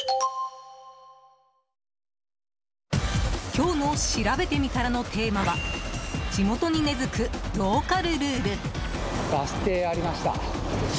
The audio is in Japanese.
今日のしらべてみたらのテーマは地元に根付くローカルルール。